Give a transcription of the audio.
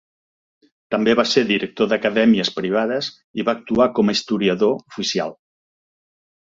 També va ser director d'acadèmies privades i va actuar com a historiador oficial.